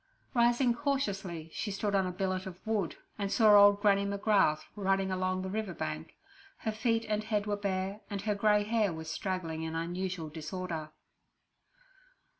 Rising cautiously, she stood on a billet of wood, and saw old Granny McGrath running along the river bank. Her feet and head were bare, and her grey hair was straggling in unusual disorder.